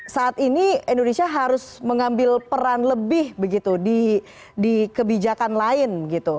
saat ini indonesia harus mengambil peran lebih begitu di kebijakan lain gitu